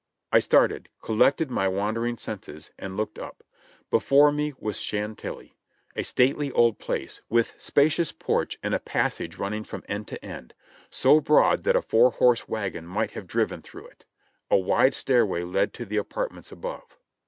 I started, collected my wandering senses, and looked up. Before me was Chantilly, a stately old place, with spacious porch and a passage running from end to end, so broad that a four horse wagon might have driven throught it. A wide stairway led up to the apartments above.